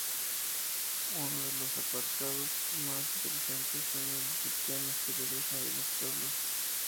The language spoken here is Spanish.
Uno de los apartados más interesantes, son las descripciones que realiza de los pueblos.